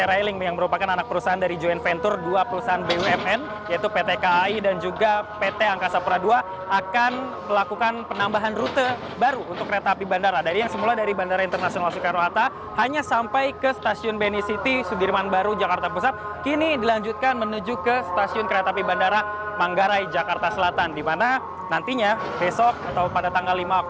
albi pratama stasiun manggarai jakarta selatan